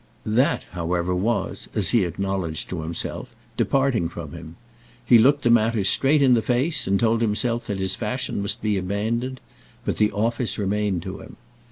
That, however, was, as he acknowledged to himself, departing from him. He looked the matter straight in the face, and told himself that his fashion must be abandoned; but the office remained to him.